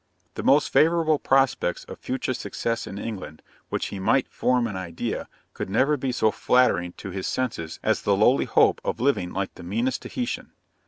The most favourable prospects of future success in England, which he might form in idea, could never be so flattering to his senses as the lowly hope of living like the meanest Taheitan.